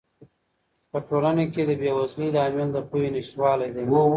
په ټولنه کې د بې وزلۍ لامل د پوهې نشتوالی دی.